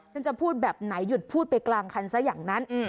จะพูดแบบไหนหยุดพูดไปกลางคันซะอย่างนั้น